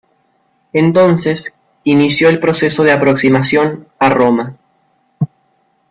Entonces inició el proceso de aproximación a Roma.